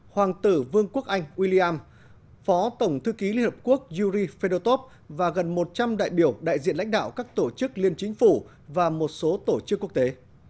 hoàng tử vương quốc anh william phó tổng thư ký liên hợp quốc yuri fedortov và gần một trăm linh đại biểu đại diện lãnh đạo các tổ chức liên chính phủ và một số tổ chức quốc tế